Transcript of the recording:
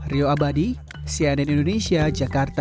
rio abadi cnn indonesia jakarta